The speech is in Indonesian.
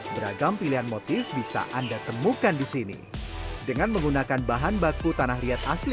beragam pilihan motif bisa anda temukan di sini dengan menggunakan bahan baku tanah liat asli